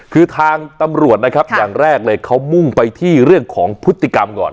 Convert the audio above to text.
คือทางตำรวจนะครับอย่างแรกเลยเขามุ่งไปที่เรื่องของพฤติกรรมก่อน